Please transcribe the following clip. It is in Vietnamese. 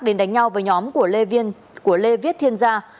đến đánh nhau với nhóm của lê viết thiên gia